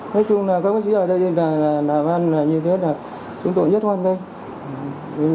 nói chung là các bác sĩ ở đây là như thế là chúng tôi rất hoan kinh